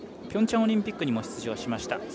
ピョンチャンオリンピックにも出場しました。